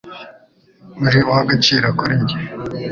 Uri uw’agaciro kuri njye